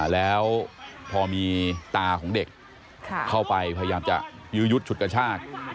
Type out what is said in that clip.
แล้วพอมีตาของเด็กเข้าไปพยายามจะยื้อยุดฉุดกระชาก